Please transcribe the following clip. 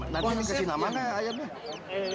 nanti dikasih namanya ayamnya